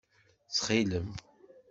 Ttxil-m.